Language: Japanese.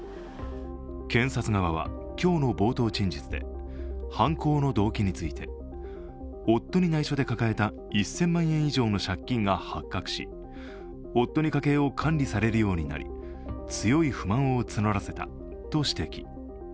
検察側は今日の冒頭陳述で、犯行の動機について夫に内緒で抱えた１０００万円以上の借金が発覚し夫に家計を管理されるようになり、強い不満を募らせたと指摘。